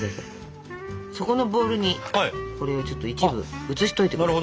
そこのボウルにこれをちょっと一部移しといて下さい。